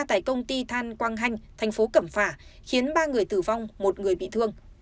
tại công ty than quang hanh thành phố cẩm phả khiến ba người tử vong một người bị thương